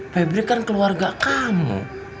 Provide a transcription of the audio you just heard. pebri kan keluarga kamu